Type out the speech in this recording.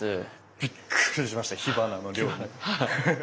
びっくりしました火花の量に。